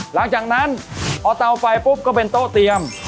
หลังจากนั้นพอเตาไฟปุ๊บก็เป็นโต๊ะเตรียม